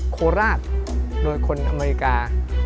โคราชโดยคนอเมริกา